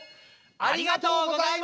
ありがとうございます。